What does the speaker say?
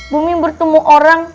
bumi bertemu orang